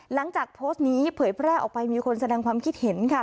หลังจากโพสต์นี้เผยแพร่ออกไปมีคนแสดงความคิดเห็นค่ะ